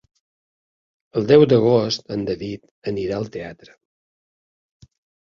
El deu d'agost en David anirà al teatre.